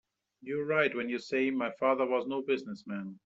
You're right when you say my father was no business man.